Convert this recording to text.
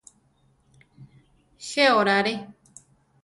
Je orare.